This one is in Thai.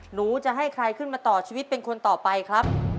หนูจะให้ใครขึ้นมาต่อชีวิตเป็นคนต่อไปครับ